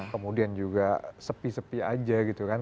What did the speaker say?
kemudian juga sepi sepi aja gitu kan